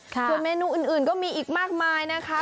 ส่วนเมนูอื่นก็มีอีกมากมายนะคะ